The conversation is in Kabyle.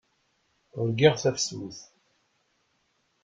Urgaɣ tafsut.